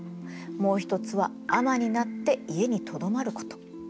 もう一つは尼になって家にとどまること。